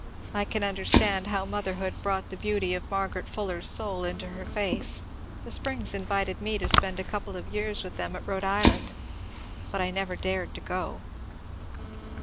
I can understand how motherhood brought the beauty of Margaret Fuller's soul into her face. The Springs invited me to spend a couple of years with them at Rhode Island (?) but I never dared to go.